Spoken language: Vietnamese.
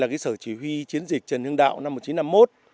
một là cái sở chỉ huy trần hương đạo năm một nghìn chín trăm năm mươi một